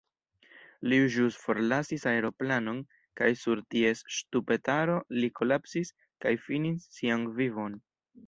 Li ĵus forlasis aeroplanon kaj sur ties ŝtupetaro li kolapsis kaj finis sian vivon.